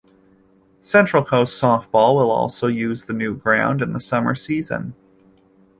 Central Coast Softball will also use the new ground in the summer season.